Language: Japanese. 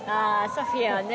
ソフィアはね